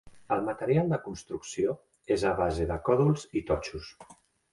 El material de construcció és a base de còdols i totxos.